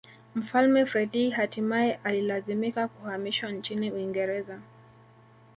Mfalme Freddie hatimae alilazimika kuhamishwa nchini Uingereza